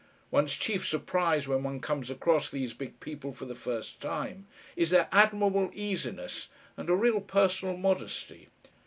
One's chief surprise when one comes across these big people for the first time is their admirable easiness and a real personal modesty.